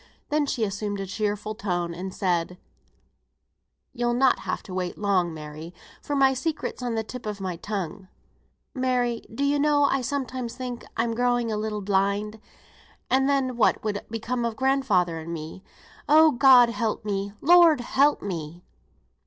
Then she assumed a cheerful tone, and said, "You'll not have to wait long, Mary, for my secret's on the tip of my tongue. Mary! do you know I sometimes think I'm growing a little blind, and then what would become of grandfather and me? Oh, God help me, Lord help me!"